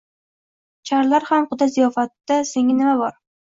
Charlar bilan quda ziyofatda senga nima bor